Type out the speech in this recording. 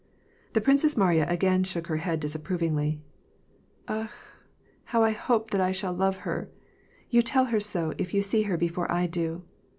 The Princess Mariya again shook her head disapprovingly. " Akh ! how I hope that I shall love her !^ You tell her so if you see her before I do."